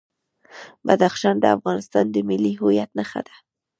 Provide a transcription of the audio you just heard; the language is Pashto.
بدخشان د افغانستان د ملي هویت نښه ده.